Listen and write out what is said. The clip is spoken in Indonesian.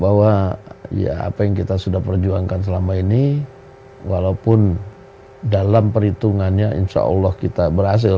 bahwa ya apa yang kita sudah perjuangkan selama ini walaupun dalam perhitungannya insya allah kita berhasil